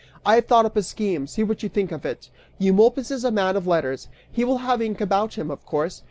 I have thought up a scheme, see what you think of it! Eumolpus is a man of letters. He will have ink about him, of course.